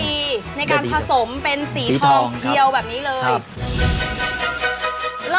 สี่ห้าปีในการผสมเป็นสีทองเพียวแบบนี้เลย